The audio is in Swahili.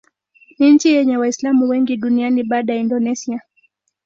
Ni nchi yenye Waislamu wengi duniani baada ya Indonesia.